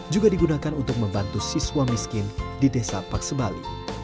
juga digunakan untuk membantu siswa miskin di desa paksebali